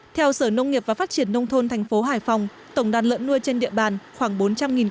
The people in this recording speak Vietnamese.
theo sở nông nghiệp và phát triển nông thôn thành phố hải phòng tổng đàn lợn nuôi trên địa bàn khoảng bốn trăm linh con